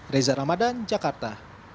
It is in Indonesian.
reza ramadan jakarta